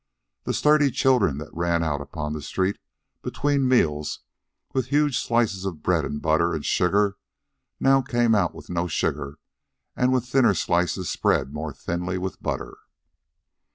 The sturdy children that ran out upon the street between meals with huge slices of bread and butter and sugar now came out with no sugar and with thinner slices spread more thinly with butter.